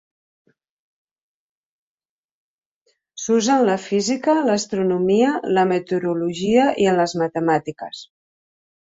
S'usa en la física, l'astronomia, la meteorologia i en les matemàtiques.